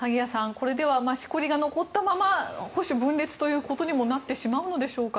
これではしこりが残ったまま保守分裂ということにもなってしまうんでしょうか。